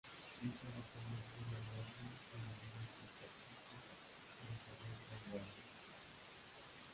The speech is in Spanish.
Hijo de Tomás Bruno Morla y María López Pacheco de Saavedra y Valle.